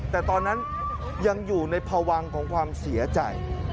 แต่ตอนนั้นยังอยู่ในพวังของความเสียใจ